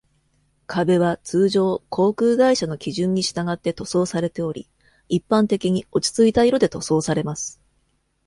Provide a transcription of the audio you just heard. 壁は、通常、航空会社の基準に従って塗装されており、一般的に、落ち着いた色で塗装されます。